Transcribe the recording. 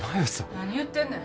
何言ってんねん。